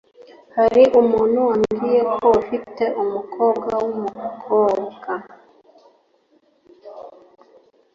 Hari umuntu wambwiye ko ufite umukobwa wumukobwa.